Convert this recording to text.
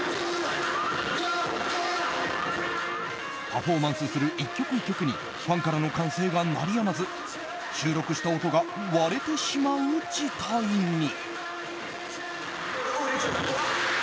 パフォーマンスする１曲１曲にファンからの歓声が鳴りやまず収録した音が割れてしまう事態に。